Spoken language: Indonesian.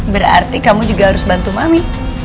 berarti kamu juga harus bantu mami